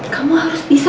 kamu harus menang sam